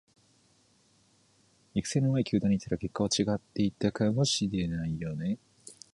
育成の上手い球団に行ってたら結果は違っていたかもしれない